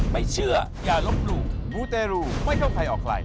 ไม่เชื่ออย่าลบหลู่มูเตรูไม่เข้าใครออกใคร